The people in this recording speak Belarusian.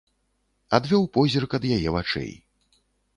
Адвёў позірк ад яе вачэй.